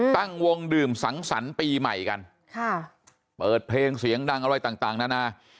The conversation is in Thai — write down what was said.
ตั้งวงดื่มสังสรรปีใหม่กันเปิดเพลงเสียงดังอร่อยต่างนะนะ